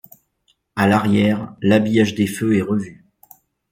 À l'arrière, l'habillage des feux est revu.